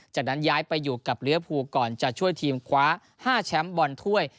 จากนั้นย้ายไปอยู่กับลิเวอร์ภูก่อนจะช่วยทีมคว้า๕แชมป์บอลถ้วย